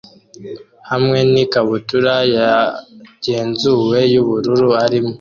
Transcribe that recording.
hamwe n ikabutura yagenzuwe yubururu arimo